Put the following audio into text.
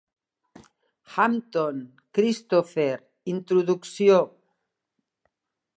Hampton, Christopher: Introducció.